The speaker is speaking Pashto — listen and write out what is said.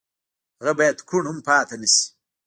هغه بايد کوڼ هم پاتې نه شي.